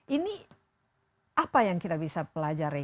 ini apa yang kita bisa pelajari